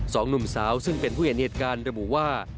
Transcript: สองหนุ่มสาวซึ่งเป็นผู้เห็นเหตุการณ์ระบุว่า